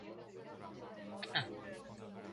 그리고 닭의 털을 뽑는 할멈 곁에 앉았다.